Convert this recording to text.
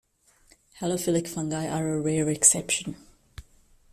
Halophilic fungi are a rare exception.